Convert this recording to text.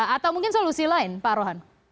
atau mungkin solusi lain pak rohan